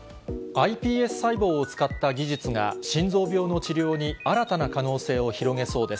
ｉＰＳ細胞を使った技術が心臓病の治療に新たな可能性を広げそうです。